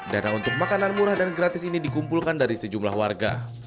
dana untuk makanan murah dan gratis ini dikumpulkan dari sejumlah warga